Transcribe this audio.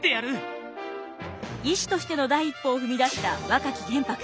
医師としての第一歩を踏み出した若き玄白。